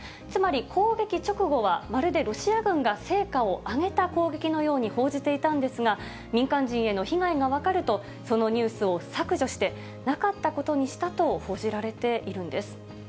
つまり攻撃直後は、まるでロシア軍が成果を上げた攻撃のように報じていたんですが、民間人への被害が分かると、そのニュースを削除して、なかったことにしたと報じられているんです。